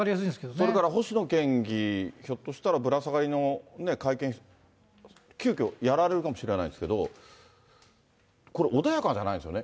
それから星野県議、ひょっとしたら、ぶら下がりの会見、急きょやられるかもしれないですけど、これ、穏やかじゃないですよね。